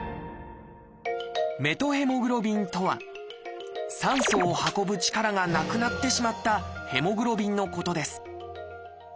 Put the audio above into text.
「メトヘモグロビン」とは酸素を運ぶ力がなくなってしまったヘモグロビンのことです。